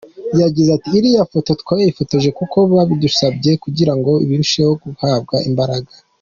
Yagize ati, “Iriya foto twayifotoje kuko babidusabye kugira ngo birusheho guhabwa imbaraga.